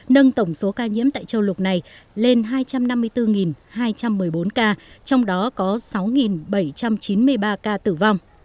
nâng tổng số ca nhiễm tại châu lục này lên hai trăm năm mươi bốn hai trăm một mươi bốn ca trong đó có sáu bảy trăm chín mươi ba ca tử vong